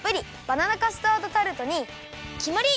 バナナカスタードタルトにきまり！